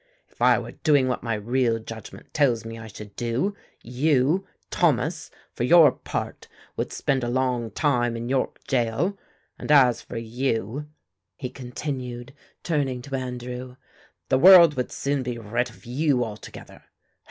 If I were doing what my real judgment tells me I should do, you, Thomas, for your part, would spend a long time in York Gaol, and as for you," he continued, turning to Andrew, "the world would soon be rid of you altogether.